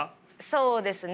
そうですね。